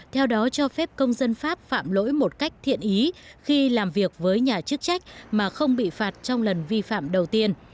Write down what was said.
theo đó cho phép công dân pháp phạm lỗi một cách thiện ý khi làm việc với nhà chức trách mà không bị phạt trong lần vi phạm đầu tiên